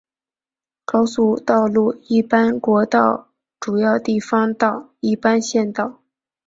高速道路一般国道主要地方道一般县道